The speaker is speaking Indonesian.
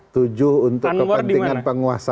tujuh untuk kepentingan penguasa